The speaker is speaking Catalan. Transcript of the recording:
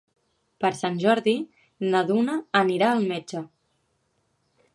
Per Sant Jordi na Duna irà al metge.